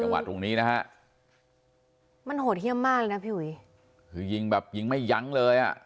มันโหดเยี่ยมมากนะพี่หุยยิงแบบยิงไม่ยั้งเลย